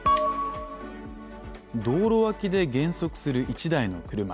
道路脇で減速する１台の車。